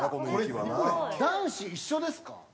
これ男子一緒ですか？